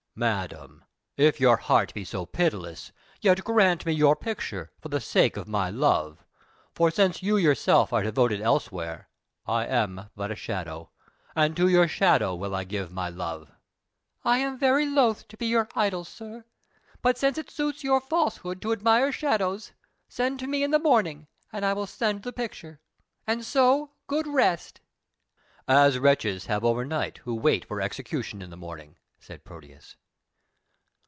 "Madam, if your heart is so pitiless, yet grant me your picture, for the sake of my love. For since you yourself are devoted elsewhere, I am but a shadow, and to your shadow will I give my love." "I am very loath to be your idol, sir, but since it suits your falsehood to admire shadows, send to me in the morning, and I will send the picture. And so, good rest!" "As wretches have overnight who wait for execution in the morning," said Proteus.